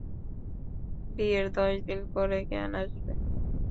বিয়ের দশ দিন পরে জ্ঞান আসবে।